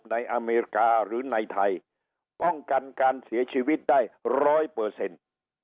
อเมริกาหรือในไทยป้องกันการเสียชีวิตได้ร้อยเปอร์เซ็นต์